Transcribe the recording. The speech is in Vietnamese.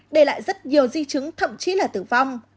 để lại rất nhiều di chứng thậm chí là tử vong